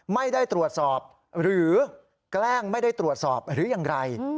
ไม่ได้ตรวจสอบหรือแกล้งไม่ได้ตรวจสอบหรือยังไร